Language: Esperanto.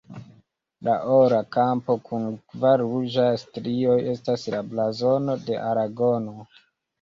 La ora kampo kun kvar ruĝaj strioj estas la blazono de Aragono.